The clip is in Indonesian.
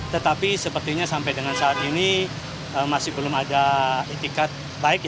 tetapi sepertinya sampai dengan saat ini masih belum ada itikat baik